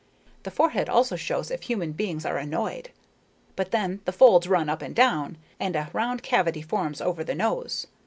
The forehead also shows if human beings are annoyed. But then the folds run up and down, and a round cavity forms over the nose.